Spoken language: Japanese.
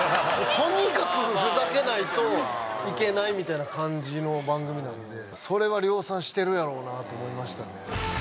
とにかくふざけないといけないみたいな感じの番組なんでそれは量産してるやろなと思いましたね